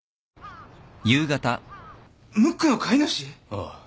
ああ。